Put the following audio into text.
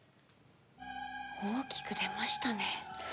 大きく出ましたね。